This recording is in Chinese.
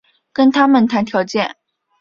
跟他们谈条件